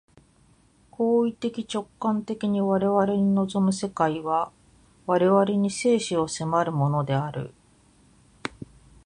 行為的直観的に我々に臨む世界は、我々に生死を迫るものである。